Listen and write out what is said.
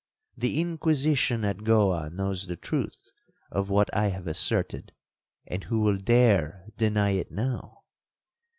The Inquisition at Goa knows the truth of what I have asserted, and who will dare deny it now?'